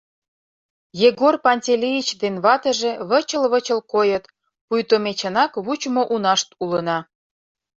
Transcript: Егор Пантелеич ден ватыже вычыл-вычыл койыт, пуйто ме чынак вучымо унашт улына.